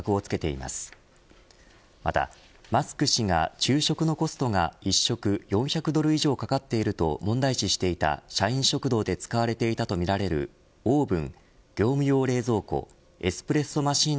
また、マスク氏が昼食のコストが１食４００ドル以上かかっていると問題視していた社員食堂で使われていたとみられるオーブン